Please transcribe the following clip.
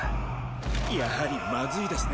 やはりまずいですね